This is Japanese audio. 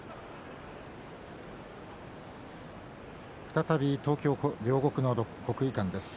再び東京・両国の国技館です。